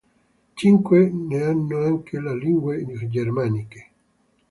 Cinque ne hanno anche le lingue germaniche.